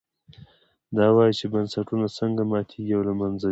دا وایي چې بنسټونه څنګه ماتېږي او له منځه ځي.